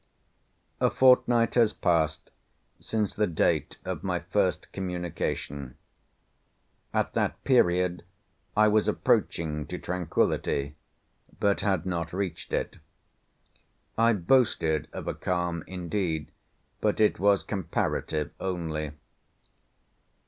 A fortnight has passed since the date of my first communication. At that period I was approaching to tranquillity, but had not reached it. I boasted of a calm indeed, but it was comparative only.